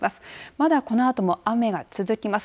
まだこのあとも雨が続きます。